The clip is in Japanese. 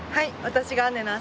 私が。